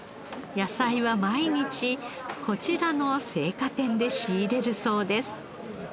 野菜は毎日こちらの青果店で仕入れるそうです。